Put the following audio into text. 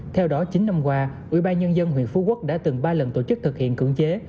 theo đó chín năm qua ủy ban nhân dân huyện phú quốc đã từng ba lần tổ chức thực hiện cưỡng chế